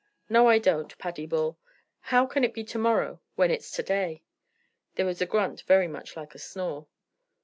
"No, I don't, Paddy Bull. How can it be to morrow when it's to day?" There was a grunt very much like a snore.